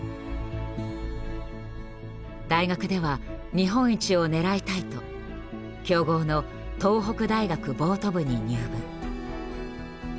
大学では日本一を狙いたいと強豪の東北大学ボート部に入部。